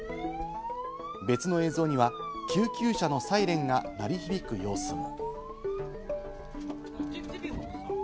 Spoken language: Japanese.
別の映像には救急車のサイレンが鳴り響く様子も。